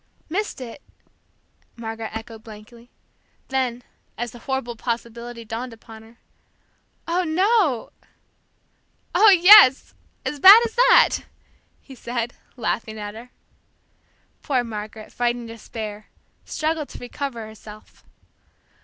"Missed it!" Margaret echoed blankly. Then, as the horrible possibility dawned upon her, "Oh, no!" "Oh, yes, as bad as that!" he said, laughing at her. Poor Margaret, fighting despair, struggled to recover herself.